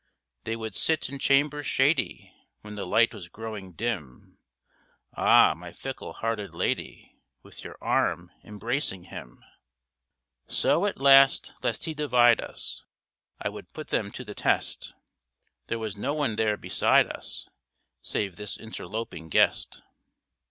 They would sit in chambers shady, When the light was growing dim, Ah, my fickle hearted lady! With your arm embracing him. So, at last, lest he divide us, I would put them to the test. There was no one there beside us, Save this interloping guest.